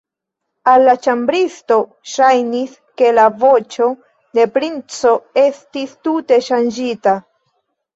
Al la ĉambristo ŝajnis, ke la voĉo de la princo estis tute ŝanĝita.